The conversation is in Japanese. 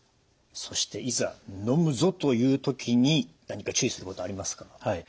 そして「いざのむぞ」という時に何か注意することありますか？